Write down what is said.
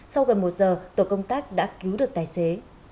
sau gần một giờ tổ công tác đã cứu được tài xế